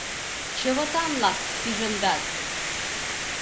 — Чывытанлак пижындас!